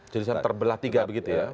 jadi terbelah tiga begitu ya